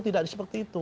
tidak seperti itu